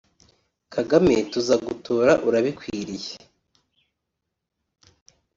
Kagame tuzagutora urabikwiriye